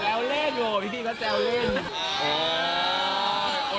แจ้วเล่นโหพี่พี่เค้าแจ้วเล่น